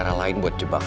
satu menunggu dua menunggu